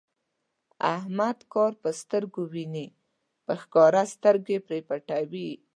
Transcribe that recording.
احمد کار په سترګو ویني، په ښکاره سترګې پرې پټوي.